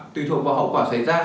tùy thuộc vào hậu quả xảy ra